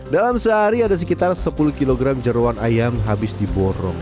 dalam sehari ada sekitar sepuluh kg jeruan ayam habis diborong